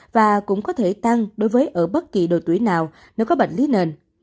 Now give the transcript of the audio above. và cũng có thể tăng đối với ở bất kỳ độ tuổi nào nếu có bệnh lý nền